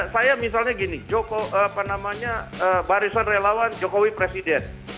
saya misalnya gini barisan relawan jokowi presiden